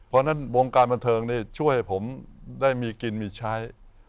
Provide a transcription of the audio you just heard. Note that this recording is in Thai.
เพราะฉะนั้นวงการบันเทิงนี่ช่วยให้ผมได้มีกินมีใช้